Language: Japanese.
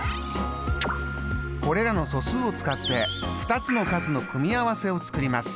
これらの素数を使って２つの数の組み合わせを作ります。